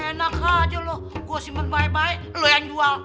enak aja lo gue simpan baik baik lo yang jual